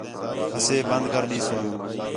اَسے بند کر ݙیسوں